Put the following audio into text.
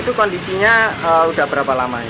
itu kondisinya sudah berapa lama